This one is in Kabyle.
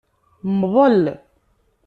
Mḍel.